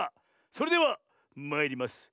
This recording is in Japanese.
それではまいります。